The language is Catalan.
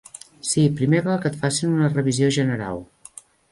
Sí, primer cal que et facin una revisió general.